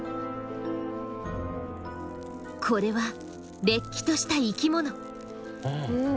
これはれっきとした生きもの。